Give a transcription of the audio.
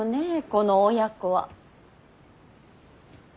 この親子は。